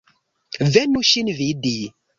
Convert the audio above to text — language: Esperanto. Venu ŝin vidi.